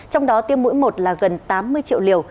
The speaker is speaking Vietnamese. trong đó tiêm mũi một là gần tám mươi triệu liều